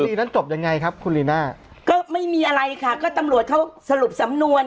คดีนั้นจบยังไงครับคุณลีน่าก็ไม่มีอะไรค่ะก็ตำรวจเขาสรุปสำนวน